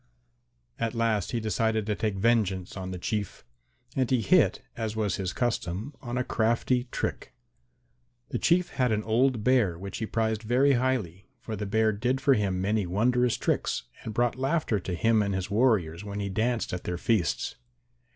At last he decided to take vengeance on the Chief. And he hit, as was his custom, on a crafty trick. The Chief had an old Bear which he prized very highly, for the Bear did for him many wondrous tricks and brought laughter to him and his warriors when he danced at their feasts.